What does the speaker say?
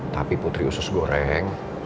tapi putri usus goreng